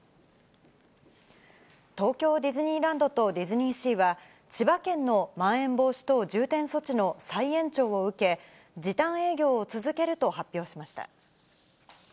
東京ディズニーランドとディズニーシーは、千葉県のまん延防止等重点措置の再延長を受け、時短営業を続けると発表しました。